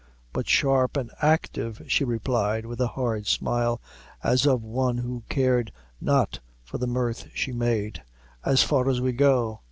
"But sharp an' active," she replied, with a hard smile, as of one who cared not for the mirth she made, "as far as we go."